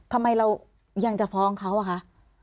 ทำไมเรายังจะฟ้องเขาอะคะ